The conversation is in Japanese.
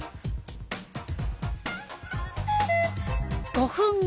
５分後。